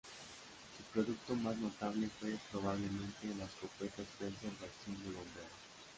Su producto más notable fue probablemente la Escopeta Spencer de Acción de Bombeo.